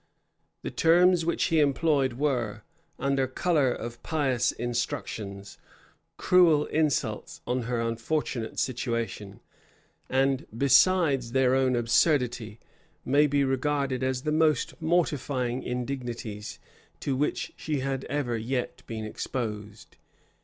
The terms which he employed were, under color of pious instructions, cruel insults on her unfortunate situation; and besides their own absurdity, may be regarded as the most mortifying indignities to which she had ever yet been exposed.